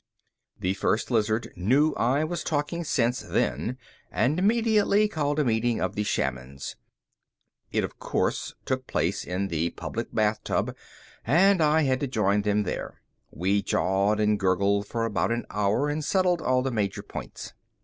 The First Lizard knew I was talking sense then and immediately called a meeting of the shamans. It, of course, took place in the public bathtub and I had to join them there. We jawed and gurgled for about an hour and settled all the major points.